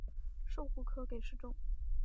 授户科给事中。